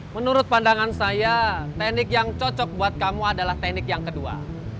menurut pandangan saya teknik yang cocok buat kamu adalah teknik yang kedua